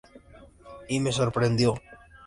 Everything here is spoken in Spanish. Y me sorprendió.